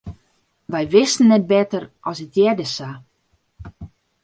Wy wisten net better as it hearde sa.